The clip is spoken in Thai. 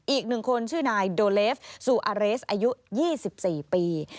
อีก๑คนชื่อนายโดเลฟซูอาเรสอายุ๒๔ปี